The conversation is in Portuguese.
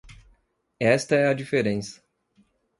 Essa é a diferença.